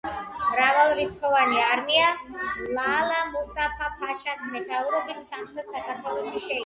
მრავალრიცხოვანი არმია ლალა მუსტაფა-ფაშას მეთაურობით სამხრეთ საქართველოში შეიჭრა.